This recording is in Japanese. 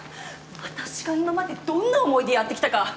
私が今までどんな思いでやってきたか